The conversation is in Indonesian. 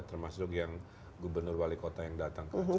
termasuk yang gubernur wali kota yang datang ke aceh